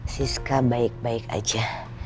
siska baik baik aja